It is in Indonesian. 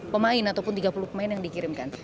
pemain ataupun tiga puluh pemain yang dikirimkan